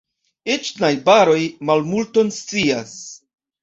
Eĉ najbaroj malmulton scias.